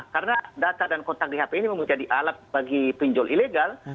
karena data dan kontak di hp ini memang menjadi alat bagi pinjol ilegal